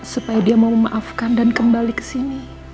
supaya dia mau memaafkan dan kembali kesini